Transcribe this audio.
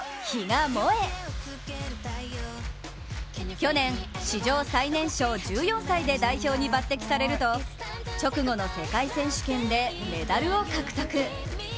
去年、史上最年少１４歳で代表に抜てきされると直後の世界選手権でメダルを獲得。